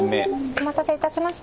お待たせいたしました。